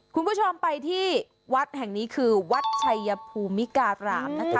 คุณผู้ชมไปที่วัดแห่งนี้คือวัดชัยภูมิการามนะคะ